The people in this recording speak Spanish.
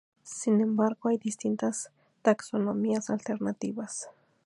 Sin embargo, hay distintas taxonomías alternativas.